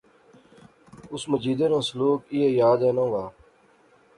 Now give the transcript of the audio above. اس مجیدے ناں سلوک ایہہ یاد اینا وہا